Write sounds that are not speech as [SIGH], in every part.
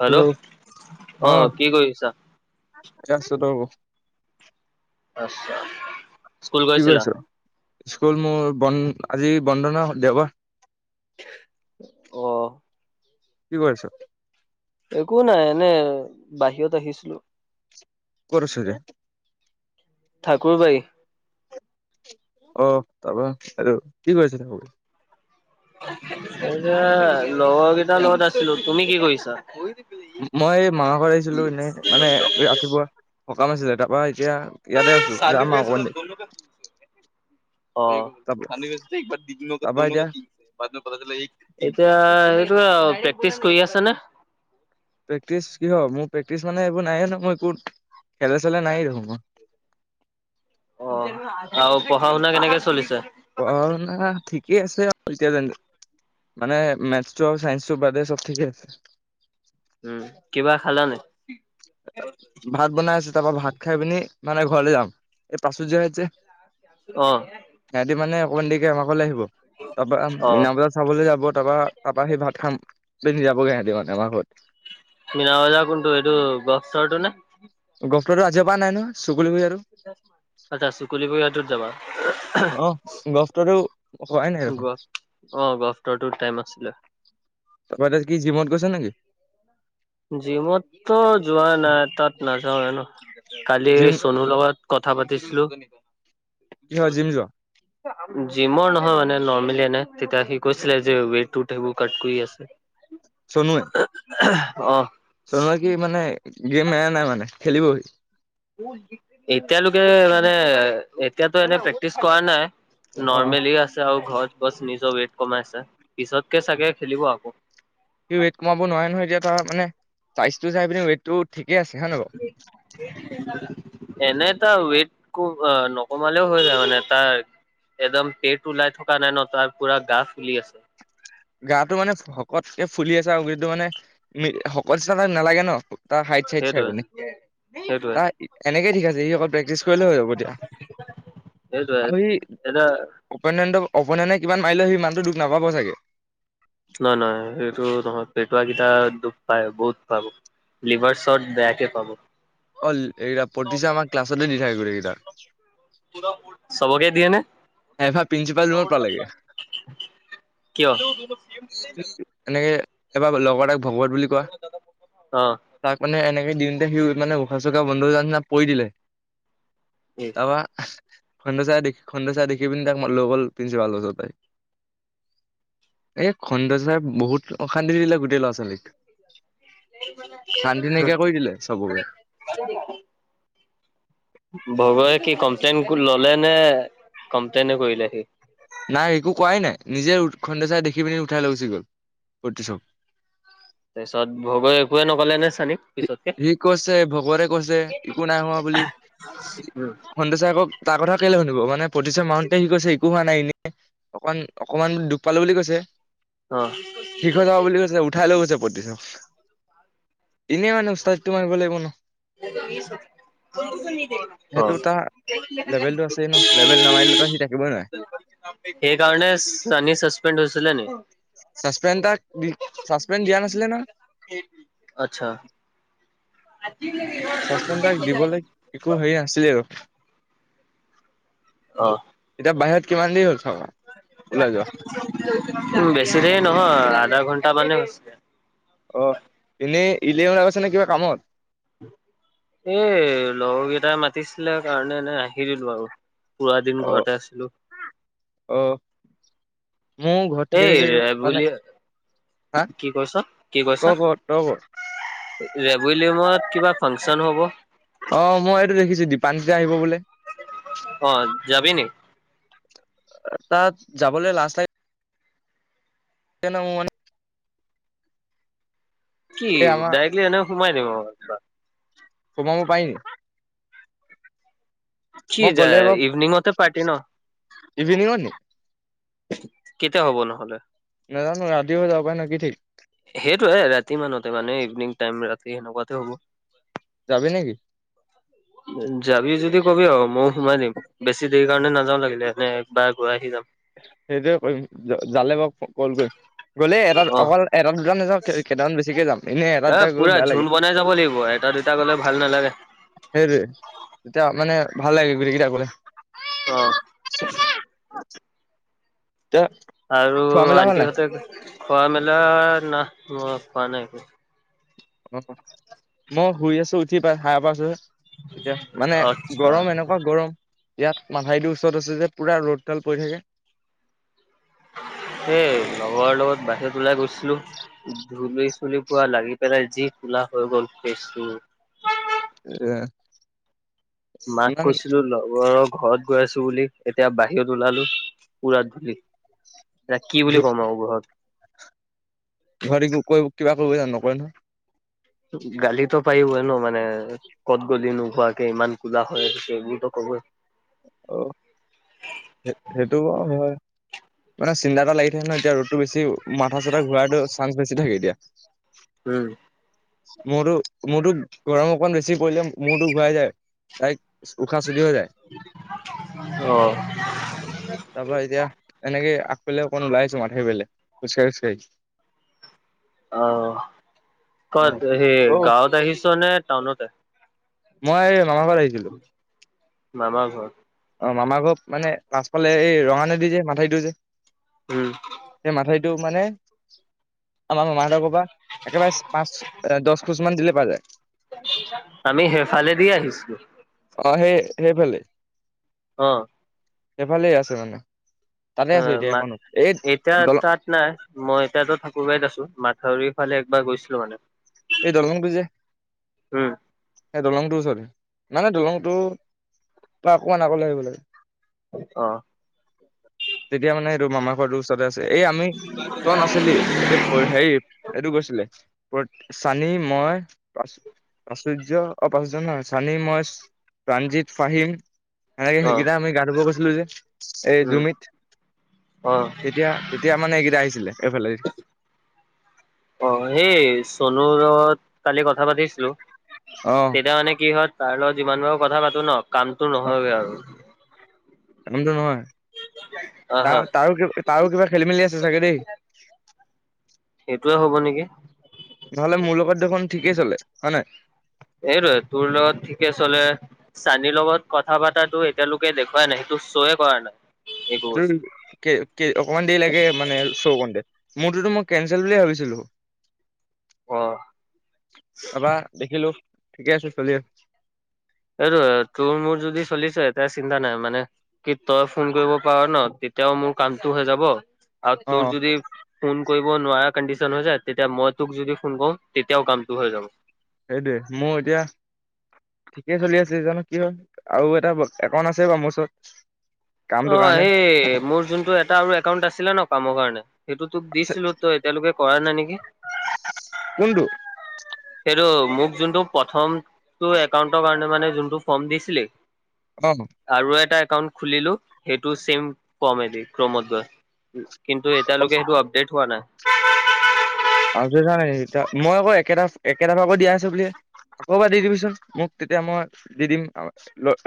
Hello, অহ', কি কৰি আছা? [UNINTELLIGIBLE] আচ্ছা, স্কুল কি কৰি গৈছিলা? আছ? স্কুল মোৰ বন-আজি বন্ধ নহয়, দেওবাৰ। অহ। কি কৰি আছ? একো নাই, এনে বাহিৰত আহিছিলোঁ। ক'ত আছ' এতিয়া? ঠাকুৰবাৰি। অহ, তাৰপৰা আৰু কি কৰিছ তাত? [UNINTELLIGIBLE] লগৰ কেইটাৰ লগত আছিলোঁ। তুমি কি কৰিছা? মই মামা ঘৰত আহিছিলো এনেই, মানে এ-ৰাতিপুৱা সকাম আছিলে তাৰপৰা এতিয়া ইয়াতে আছো, যাম আৰু অকমান দেৰী অ', [UNINTELLIGIBLE] তাৰপৰা এতিয়া এতিয়া [UNINTELLIGIBLE] প্ৰেক্টিচ কৰি আছা নে? প্ৰেক্টিচ কিহৰ? মোৰ প্ৰেক্টিচ মানে এইবোৰ নাই নহ' মই একোত! খেলে চেলে অ', আৰু পঢ়া শুনা কেনেকে চলিছে? পঢ়া শুনা ঠিকেই আছে আৰু এতিয়া যেনে মানে মেটছটো আও চাইন্সটো বাদে চব ঠিকে আছে। উম, কিবা খালানে? ভাত বনাই আছে, তাৰপৰা ভাত খাই পিনি মানে ঘৰলে যাম। এই প্ৰাচুৰ্য ৰায়ত যে অ সিহঁতি মানে অকমান দেৰিকে আমাৰ ঘৰলে আহিব, তাৰপৰা অ মিনা বজাৰ চাবলৈ যাব। তাৰপা তাপৰা সি ভাত খাম, পিন্ধি যাবগে সিহঁতি মানে আমাৰ ঘৰত। মিনা বজাৰ কোনটো এইটো গফ চৰ তটো নে? গফ চৰটো আজিৰ পৰা নাই নহয় চুকুলো ভূঞাতো আচ্ছা, চুকুলি [UNINTELLIGIBLE] যাবা? অহ, গফটৰটো হোৱাই নাই দেখোন। অহ, গফটৰটোত টাইম আছে। তাৰপৰা কি জিমত গৈছ নেকি? জিমততো যোৱা নাই তাত নাযাওে ন' কালি জিম চনুৰ লগত কথা পাতিছিলোঁ, কিহৰ জিম যোৱা জিমৰ নহয় মানে নৰ্মেলী নাই তেতিয়া সি কৈছিল যে ৱৰ্কআউট কৰি আছে। চনুৱে অ চনুৱে কি মানে গেম এৰা নাই মানে খেলিৱই? এতিয়ালৈকে মানে এতিয়াতো এনে প্ৰেক্টিছ কৰা নাই অ' নৰ্মেলি আছে আৰু ঘৰত বছ নিজৰ ৱেইট কমাইছে, পিছতকে চাগে খেলিব আকৌ? সি ৱেইট কমাব নোৱাৰে নহয়, এতিয়া তাৰ মানে চাইজটো চাই পিনে ৱেটটো এনে তাৰ ৱেট [UNINTELLIGIBLE] নকমালেও হৈ যায় মানে তাৰ একদম পেট ওলাই থকা নাই নহ, তাৰ পোৰা গা ফুলি আছে। গাটো মানে শকতকে ফুলি আছে, আৰু গোটেইটো মানে শকত নিচিনা তাক নালাগে নহ? তাৰ হাইট চাইট চাই সেইটোৱে পিনে। সেইটোৱে তাৰ এনেকে ঠিক আছে, সি অকল প্ৰেক্টিছ কৰিলে হৈ যাব এতিয়া। সেইটোৱে আৰু সি এতিয়া [UNINTELLIGIBLE] অপনেনে কিমান মাৰিলে সিমানটো দুখ নাপাব চাগে? নহয়, নহয় সেইটো নহয়। পেটুৱাকেইটা দুখ পায়, বহুত পাব। লিভাৰ [UNINTELLIGIBLE] বেয়াকে পাব। অ', এইকেইটা [UNINTELLIGIBLE] আমাক ক্লাছতে দি থাকিব, এইকেইটা চবকে দিয়ে নে? [UNINTELLIGIBLE] প্ৰিঞ্চিপাল ৰুম পালেগে। কিয়? এনেকে এবাৰ লগৰ এতাক ভগৱত বুলি কয়, অ' তাক মানে এনেকে দিওঁনতে সি মানে উশা-চোশা বন্ধ হৈ যোৱা নিচিনা পৰি দিলে, তাৰপা খণ্ড চাৰে দেখি, খণ্ড চাৰে দেখি পিনি তাক লৈ গ'ল প্ৰিঞ্চিপাল ওচৰলৈ এ খণ্ড চাৰ বহুত অশান্তি দিলে গোটেই ল'ৰা ছোৱালীক। শান্তি নাইকিয়া কৰি দিলে চবৰে। ভবয়ে কি কমপ্লেইন ললেনে, কমপ্লেইনে কৰিলে সি নাই একো কোৱাই নাই, নিজে উটখন্দে চাই দেখি পিনি উঠাই লৈ গুচি গ'ল। ক'ত থৈছ? তাৰপিছত ভবয়ে একোৱে নকলে নে? চানীক পিছতকে? সি কৈছে ভগৰে কৈছে একো নাই হোৱা বুলি। খণ্ড চাৰে আকৌ তাৰ কথা কেলৈ শুনিব, মানে প্ৰতিচয় মাৰোনতে সি কৈছে একো হোৱা নাই, এনে অকমান অকমান দুখ পালো বুলি কৈছে অ' ঠিক হৈ যাব বুলি কৈছে, উঠাই লৈ গৈছে পতিচক। এনেই মানে উস্তাদীটো মাৰিব লাগিব নহ [UNINTELLIGIBLE] অহ, সেইটো তাৰ [UNINTELLIGIBLE] লেভেলটো সেই আছেই ন লেভেল নামাৰিলে কাৰণে তাত সি থাকিবই নোৱাৰে চানি চাচপেন্দ হৈছিলে নেকি? চাচপেন্দ তাক, চাচপেন্দ দিয়া নাছিলে নহয়। আচ্ছা। চাচপেন্দ তাক দিবলৈ একো হেৰি নাছিলে আৰু [INAUDIBLE] অহ। এতিয়া বাহিৰত কিমান দেৰি হ'ল। চাবা ওলাই যোৱা বেছি দেৰি নহয় আধা ঘন্টা মানে য [UNINTELLIGIBLE] অ', এনেই [UNINTELLIGIBLE] নে কিবা কামত। এই লগৰকেইটাই মাতিছিলে কাৰণে এনে আহি দিলো আৰু পুৰা দিন অ ঘৰতে আছিলো। অ', মোৰ ঘৰত থাকি এই থাকি ৰেবুলি মানে হা কি কৈছ তয় ক'ত তয় ক'ত। ৰেভেল ইয়িমাত কিবা ফাংচন হ'ব। অ', মই এইটো দেখিছোঁ দিপানিত্না আহিব বোলে। অ যাবি নি? তাত যাবলৈ লাজ লাই যে [UNINTELLIGIBLE] মানে কি এই আমাৰ ডাইৰেক্টলি এনে সোমাই দিম একবাৰ সোমাব পাৰি। কি মই গ'লে যায় বাৰু ইভিনিংতে পাৰ্টি ন। ইভিনিঙত নি কেতিয়া হ'ব নহ'লে। নাজানো নো ৰাতি হৈ যাব পাৰে ন কি থিক। সেইটোয়ে ৰাতি মানতে মানে ইভিনং টাইম ৰাতি সেনেকুৱাতে যাবি নেকি হ'ব। যাবি যদি কবি আৰু ময়ো সোমাই দিম বেছি দেৰি কাৰণে নাযাওঁ লাগিলে এনে একবাৰ গৈ আহি যাম। সেইটোয়ে কৰিম যালে ব ক'ল কৰিম। গ'লেই এটাত অ অকল এটাত দুটা নাযাওঁ কেইটামান বেছিকে যাম এনেই এটা দুটা গৈ বেয়া লাগে। হব এটা দুটা গ'লে ভাল নালাগে। সেই তেতিয়া মানে ভাল লাগে গোই কেইটা কলে। অহ। এতিয়া আৰু খোৱা মেলা হ'ল নাই আন্টিহঁতে খোৱা মেলা না মই খোৱা নাই একো। অ', মই শুই আছো উঠি পাই হাই পাইছোহে। এতিয়া মানে আচ্ছা গৰম এনেকুৱা গৰম ইয়াত মাঠাইটো ওচৰত আছে যে পুৰা ৰ'দডাল পৰি থাকে। [INAUDIBLE] সেই লগৰ লগত বাহিৰত ওলাই গৈছিলো ধূলি চুলি পোৱা লাগি পেলাই যি ক'লা হৈ গ'ল ফেচটো উ [UNINTELLIGIBLE] মাক কৈছিলো লগৰক ঘৰত গৈ আছো বুলি এতিয়া বাহিৰত ওলালো পুৰা ধূলি এ কি বুলি ক'ম আৰু ঘৰত ঘৰত একো কিবা কৰিব জানো নকৰে নহয়। গালিতো পাৰিবই ন মানে ক'ত গলি নোহোৱাকে ইমান ক'লা হৈ আহিছ বুলি হব। অহ। সেইটো হয় মানে চিন্তা এটা লাগি থাক ন এতিয়া ৰ'দতটো বেছি মাথা চাথা ঘূৰাটো চান্স বেছি থাকে এতিয়া। উম। মোৰো মোৰো গৰম অকণ বেছি পৰিলে মূৰতো ঘূৰাই যায় তাইক উশাহ অ তাৰপা এতিয়া এনেকে লে অকণ ওলাইছো মা [UNINTELLIGIBLE] অ ক'ত সেই অ', গাঁৱত আহিছ নে টাউনত আহ মই মামা ঘৰত আহিছিলোঁ। মামা ঘৰত। অ', মামাৰ ঘৰত মানে পাছফালে এই ৰঙা নদী যে মাথাইটো যে। উম, সেই মাথাৰিটো মানে আমাৰ মামাহত একেবাৰে পাঁচ, দহ খোচ মান দিলে পাই যায়। আমি সেফালেদি আহিচিলোঁ। অ সেই অ'। এফালে আছে মানে। তাতে আছো অ', এতিয়া মাত একনো এই এতিয়া দলং তাত নাই মই এতিয়াতো মুম্বাইত আছোঁ মাথাউৰিৰ ফালে একবাৰ গৈছিলোঁ মানে। এই দলংটো যে উম, এই দলংটো ওচৰতে। মানে দলংটো পা অকমান আগলে আহিব লাগে। অ', তেতিয়া মানে এইটো মামা ঘৰটো। তাতে আছে এই আমি তই নাছিলি, এই হেৰি এইটো গৈছিলে। চানি, মই পা-প্ৰাচুৰ্য অ', প্ৰাসূৰ্য্য নহয় চানি মই। প্ৰাণজিৎ, ফাহিম সেনেকে অ', সেইকেইটা আমি গা ধুব গৈছিলোঁ যে এই উম, জুমিত। অ', তেতিয়া, তেতিয়া মানে এইকেইটা আহিছিলে এইফালে। অ', এছ চনুৰ লগত কালি কথা পাতিছিলোঁ, অ তেতিয়া মানে কি হয় তাৰ লগত। যিমান পাৰোঁ কথা পাতো ন কামতো নহয়গে আৰু। কামটো নহয় আহা। তাৰ-তাৰ-তাৰো, তাৰো কিবা খেলি মেলি আছে চাগে দেই। সেইটোয়ে হ'ব নেকি? নহ'লে মোৰ লগত দেখোন ঠিকেই চলে হয় নাই। এইটোৱেই তোৰ লগত ঠিকে চলে। চানীৰ লগত কথা পাতাটো এতিয়ালৈকে দেখুৱাই নাই, সেইটো শ্বয়ে কৰা নাই। একো বস্তু [UNINTELLIGIBLE] অকমান দেৰি লাগে মানে চৌ কৰোঁতে। মোৰটোতো মই কেনচেল বুলি এ ভাবিছিলোঁ। অ'। তাৰপা দেখিলোঁ ঠিকে আছে চলি। এইটোৱে তোৰ মোৰ যদি চলিচে তে চিন্তা নাই মানে। কি তই ফোন কৰিব পাৰ ন, তেতিয়াও মোৰ কামতটো হৈ যাব আৰু অ তোৰ যদি ফোন। কৰিব নোৱাৰা কণ্ডিচন হৈ যায়, তেতিয়া মই তোক যদি ফোন কৰো তেতিয়াও কামটো হৈ যাব। সেইটোৱে মোৰ এতিয়া। ঠিকেই চলি আছে জানো কি হয়, আৰু এটা একাউণ্ট আছে বাৰু মোৰ ওচৰত। কামটোৰ অ', কাৰণে সেই মোৰ যোনটো এটা আৰু একাউন্ট আছিলে ন কামৰ কাৰণে। সেইটো তোক দিছিলোঁ তো এতিয়ালৈকে কৰা নাই নেকি? কোনটো সেইটো মোক যোনটো প্ৰথমটো একাউণ্টৰ কাৰণে মানে যোনটো ফৰ্ম দিছিলি। অ আৰু এটা। একাউণ্ট খুলিলোঁ সেইটো চেম কম এদি ক্ৰমত গৈ উ কিন্তু এতিয়ালৈকে সেইটো আপডেট হোৱা নাই। [UNINTELLIGIBLE] মই আকৌ একেটা, একেটা আকৌ দিয় হৈছে বুলিহে। আকৌ এবাৰ দি দিবিচোন মোক তেতিয়া মই দি দিম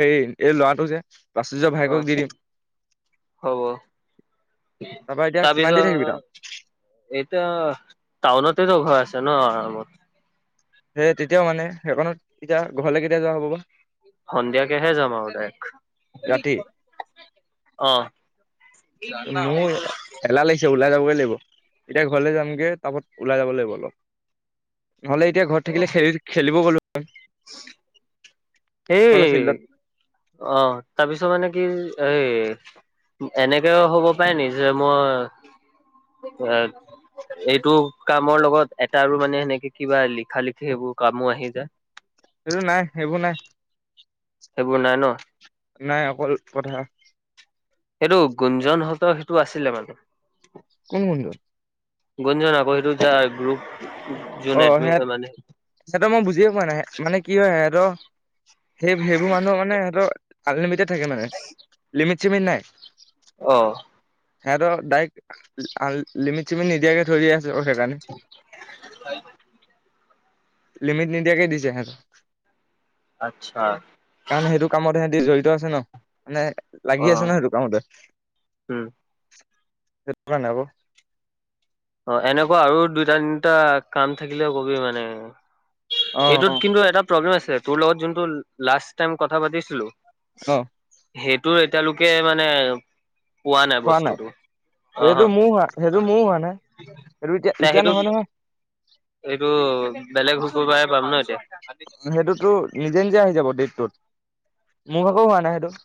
হেৰি এই লৰাটো যে। প্ৰাচুৰ্য্যৰ ভাইয়েকক দি অ দিম। হব। তাৰপা এতিয়া তাৰ কিমান দেৰি থাকিবি তাত পিছত এইতা টাউনতেতো ঘৰ আছে ন আৰামত। সেই তেতিয়াও মানে সেইখনত এতিয়া ঘৰলৈ কেইতিয়া যোৱা হ'ব বা? সন্ধিয়াকেহে যাম আৰু তাইক ৰাতি অ'। মোৰ এলাহ লাগিছে ওলাই যাবগে এতিয়া ঘৰলে যামগে তাৰপিছত ওলাই যাব লাগিব অলপ। নহ'লে এতিয়া ঘৰত থাকিলে খেলি-খেলিব গ'লোঁ হয়। [UNINTELLIGIBLE] এই ফিল্ডত অ', তাৰপিছত মানে কি এ এনেকেও হ'ব পাৰে নিজে মই এ। এইটো কামৰ লগত এটাৰো মানে সেনেকে কিবা লিখা লিখি সেইবোৰ কামো আহি যায়। সেইটো নাই সেইবোৰ নাই। সেইবোৰ নাই নহ। নাই অকল কথা। সেইটো গুঞ্জনহঁতৰ সেইটো আছিলে মানে। কোন গুঞ্জন। গুঞ্জন আকৌ সেইটো [UNINTELLIGIBLE] গ্ৰুপ। যোন অ এডমি সেহত মানে সেইটো মই বুজিয়ে পোৱা নাই মানে কি হয় সিহঁতৰ। সেই-সেইবোৰ মানুহৰ মানে সিহঁতৰ আনলিমিটেড থাকে মানে লমিট। চিমিত নাই। অ। সিহঁতৰ ডাইৰেক্ট আন লিমিট চিমিট নিদিয়াকে থৈ দিয়া আছে সেইকাৰণে। লিমিট নিদিয়াকে দিছে সিহঁতক। আচ্ছা কাৰণ সেইটো কামত সিহঁতি জড়িত আছে নহ। মানে লাগি অ আছে নহ সেইটো কামতে। উম [UNINTELLIGIBLE] কাৰণে আকৌ। অ এনেকুৱা আৰু দুইটা তিনিটা কাম থাকিলে কবি মানে। অ অ এইটোত কিন্তু এটা প্ৰব্লেম আছে তোৰ লগত যোনটো লাষ্ট টাইম কথা পাতিছিলো। অ। সেইটো এতিয়ালৈকে মানে। পোৱা হোৱা নাই বস্তুটো অ হ সেইটো মোৰো হোৱা সেইটো মোৰো হোৱা নাই। সেইটো এতিয়া, তে এতিয়া নহয়, নহয়। সেইটো বেলেগ শুকুৰবাৰে পাম নহ। সেইটোতো নিজে নিজে আহি যাব। [UNINTELLIGIBLE] মোৰ আকৌ হোৱা নাই সেইটো।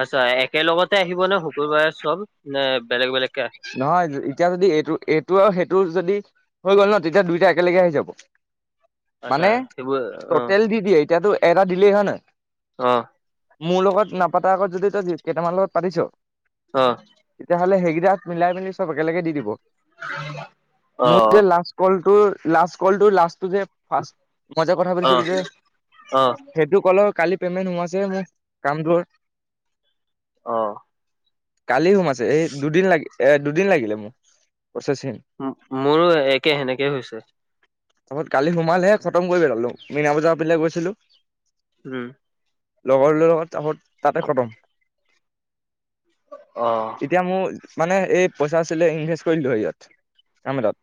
আচ্ছা একে লগতে আহিব নহ শুকুৰবাৰে চব নে বেলেগ বেলেগ। নহয় এতিয়া যদি এইটো, এইটো আৰু সেইটোৰ যদি। হৈ গ'ল নহ তেতিয়া দুইটা একেলগে আহি যাব আচ্ছা মানে সেইবোৰ অ টোটেল দি দিয়ে এতিয়াতো। এটা দিলে হয়। [UNINTELLIGIBLE] অ। মোৰ লগত নাপাতাৰ আগত যদি তই কেইটামান লগত পাতিছ অ তেতিয়াহ'লে হেৰি। মিলাই মেলি চব একেলগে দি দিব মোৰ যে অ লাষ্ট কলটোৰ। লাষ্ট কলটোৰ লাষ্টটো যে ফাষ্ট। মইজে কথা অ পাতিছিলো যে অ সেইটো কলৰ কালি। পেমেণ্ট সোমাইছে মোৰ কামটোৰ। অ। কালি সোমাইছে এই দুদিন লাগি এ দুদিন লাগিলে মোক। মোৰো একে সেনেকে হৈছে। তাৰপিছত কালি সোমালেহে খতম কৰি পেলালোঁ মিনা বজাৰৰ পিনে গৈছিলোঁ। উম। লগৰ লগত চাহত তাতে খতম। অ যেতিয়া মোৰ। মানে এই পইচা আছিলে এই ইনভেষ্ট কৰি দিলোঁ এইহিয়ত কাম এটাত।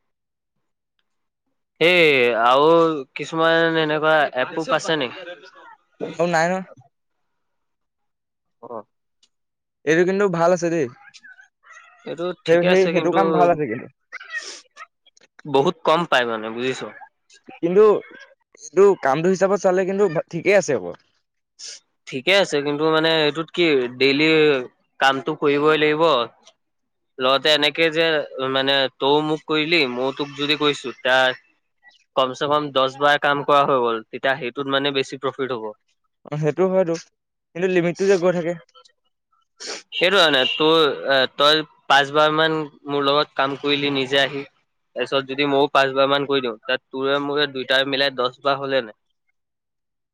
সেই আৰু কিছুমান এনেকুৱা এপ [UNINTELLIGIBLE] আছে নেকি। আৰু নাই নহয়। অ। এইটো কিন্তু ভাল আছে দেই। এইটো সেই ঠিকে সেই আছে সেইটো কিন্তু কাম ভাল আছে কিন্তু বহুত কম। পাই মানে বুজিছ কিন্তু, এইটো কামটো হিচাপত চালে কিন্তু ঠিকেই আছে আকৌ। [INAUDIBLE] ঠিকে আছে কিন্তু মানে এইটোত কি ডেইলি কামটো কৰিবই লাগিব। লগতে এনেকে যে মানে তই মোক কৰিলি মই তোক যদি কৈছো তাৰ কম চে কম দশবাৰ কাম কৰা হৈ গ'ল তেতিয়া সেইটোত মানে বেছি প্ৰ'ফিট হ'ব। অ', সেইটো হয়টো কিন্তু লিমিটটো যে গৈ থাকে। [INAUDIBLE] সেইটো হয় নে তোৰ তই পাঁচবাৰ মান মোৰ লগত কাম কৰিলি নিজে আহি। তাৰপিছত যদি ময়ো পাঁচবাৰ মান কৰি দিওঁ তাত তোৰ মোৰ দুইটাৰ মিলাই দশ বাৰ হ'লে নাই। [INAUDIBLE]